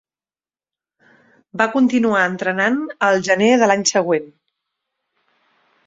Va continuar entrenant al gener de l'any següent.